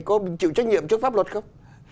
có chịu trách nhiệm trước pháp luật không